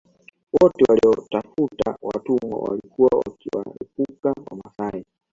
Wote waliotafuta watumwa walikuwa wakiwaepuka Wamasai